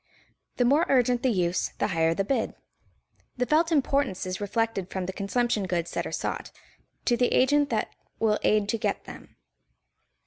The more urgent the use, the higher the bid. The felt importance is reflected from the consumption goods that are sought, to the agent that will aid to get them.